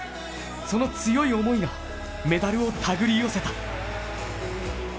その強い思いがメダルを手繰り寄せた。